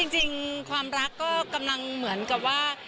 จริงความรักก็กำลังเหมือนกับว่า